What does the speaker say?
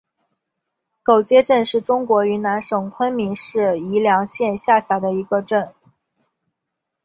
狗街镇是中国云南省昆明市宜良县下辖的一个镇。